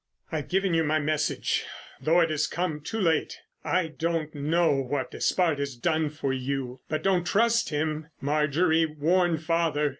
"I've given you my message—though it has come too late. I don't know what Despard has done for you, but don't trust him, Marjorie. Warn father....